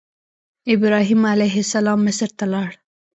ابراهیم علیه السلام مصر ته لاړ.